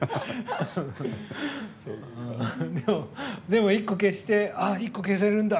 でも、１個消してあっ１個消せるんだ！